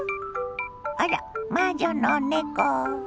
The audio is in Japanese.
あらっ魔女の猫。